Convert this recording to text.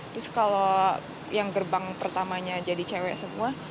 terus kalau yang gerbang pertamanya jadi cewek semua